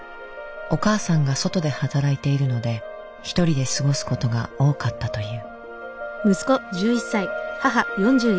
お母さんが外で働いているので１人で過ごす事が多かったという。